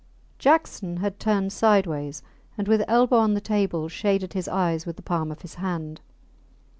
Jackson had turned sideways, and with elbow on the table shaded his eyes with the palm of his hand.